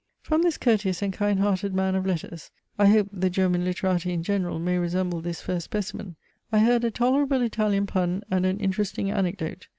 From this courteous and kind hearted man of letters, (I hope, the German literati in general may resemble this first specimen), I heard a tolerable Italian pun, and an interesting anecdote.